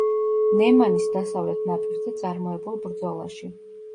ნემანის დასავლეთ ნაპირზე წარმოებულ ბრძოლაში.